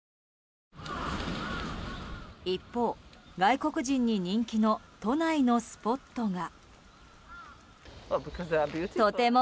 一方、外国人に人気の都内のスポットが。